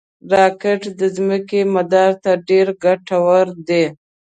راکټ د ځمکې مدار ته ډېر ګټور دي